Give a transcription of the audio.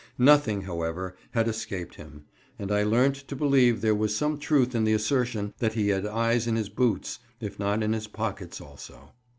Nothing, however, had escaped him; and I learnt to believe there was some truth in the assertion that he had eyes in his boots, if not in his pockets also.